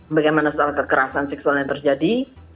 bagaimana soal kekerasan seksual yang terjadi